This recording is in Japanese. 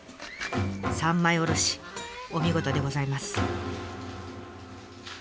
三枚おろしお見事でございます。